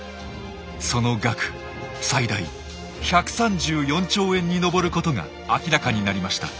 その額最大１３４兆円に上ることが明らかになりました。